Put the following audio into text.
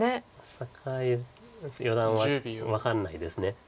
酒井四段は分かんないです。